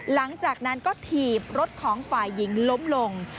หลังจากนั้นก็ถีบรถของฝ่ายหญิงล้มลง